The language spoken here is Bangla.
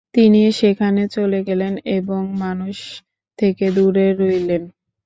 তিনি সেখানে চলে গেলেন এবং মানুষ থেকে দূরে রইলেন।